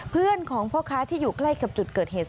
เพื่อนของพ่อค้าที่อยู่ใกล้กับจุดเกิดเหตุ